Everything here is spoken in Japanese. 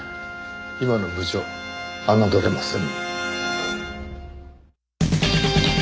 今の部長侮れません。